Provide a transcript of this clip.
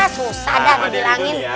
susah gak bilangin